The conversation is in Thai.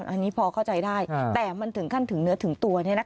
อันนี้พอเข้าใจได้แต่มันถึงขั้นถึงเนื้อถึงตัว